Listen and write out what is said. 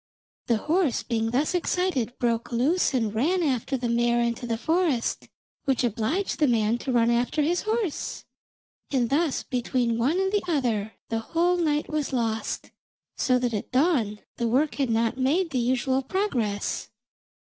The horse being thus excited, broke loose and ran after the mare into the forest, which obliged the man also to run after his horse, and thus between one and the other the whole night was lost, so that at dawn the work had not made the usual progress.